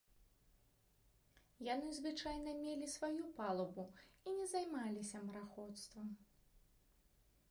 Яны звычайна мелі сваю палубу і не займаліся мараходствам.